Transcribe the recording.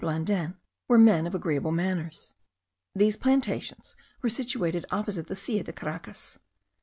Blandin, were men of agreeable manners. These plantations were situated opposite the Silla de Caracas.